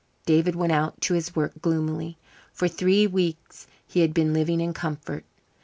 David went out to his work gloomily. For three weeks he had been living in comfort.